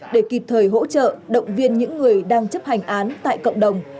để kịp thời hỗ trợ động viên những người đang chấp hành án tại cộng đồng